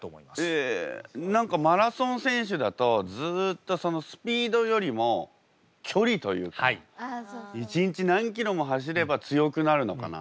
え何かマラソン選手だとずっとそのスピードよりも距離というか一日何キロも走れば強くなるのかな。